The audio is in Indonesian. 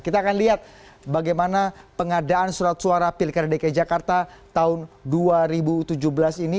kita akan lihat bagaimana pengadaan surat suara pilkara dki jakarta tahun dua ribu tujuh belas ini